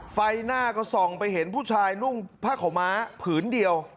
ไฟหน้าก็ส่องไปเห็นผู้ชายนุ่งผ้าขาวม้าผืนเดียว